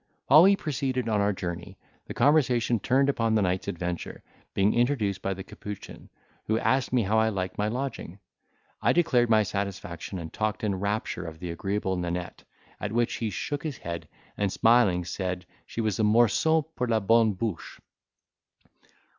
While we proceeded on our journey, the conversation turned upon the night's adventure, being introduced by the capuchin, who asked me how I liked my lodging; I declared my satisfaction, and talked in rapture of the agreeable Nanette, at which he shook his head, and smiling said, she was a morceau pour la bonne bouche.